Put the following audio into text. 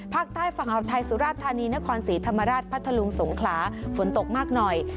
ภาคใต้ฝั่งอาวไทยสุราธานีนครศรีธรรมราชพัทธลุงสงขลาฝนตกมากหน่อย